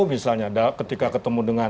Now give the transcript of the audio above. misalnya ketika ketemu dengan